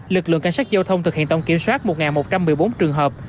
lực lượng cảnh sát giao thông thực hiện tổng kiểm soát một một trăm một mươi bốn trường hợp